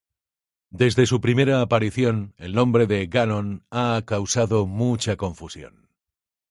Desde su primera aparición, el nombre de Ganon ha causado mucha confusión.